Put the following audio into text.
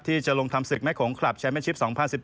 ที่จะลงทำศึกแม่โขงคลับแชมเป็นชิป๒๐๑๘